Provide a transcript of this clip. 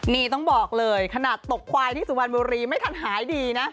นี่ต้องบอกเลยขนาดตกควายที่สุพรรณบุรีไม่ทันหายดีนะ